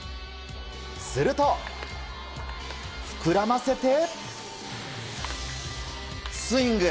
すると、膨らませてスイング。